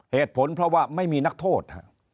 เหตุผลเพราะว่าไม่มีนักโทษ